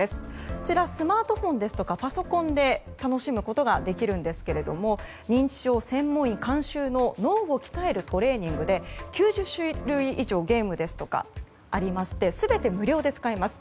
こちらスマートフォンやパソコンで楽しむことができるんですが認知症専門医監修の脳を鍛えるトレーニングで９０種類以上ゲームなどがありまして全て無料で使えます。